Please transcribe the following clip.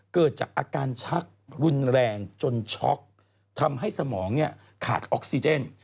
เกิดจากอาการชักรุนแรงจนช็อกทำให้สมองขาดออกซิเจน